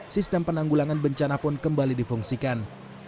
sistem penanggulangan bencana pun kembali difungsikan